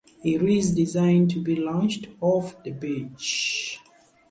It is designed to be launched off the beach.